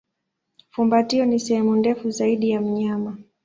Fumbatio ni sehemu ndefu zaidi ya mnyama.